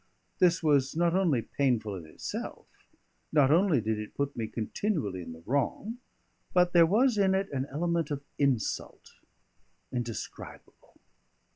This was not only painful in itself; not only did it put me continually in the wrong; but there was in it an element of insult indescribable.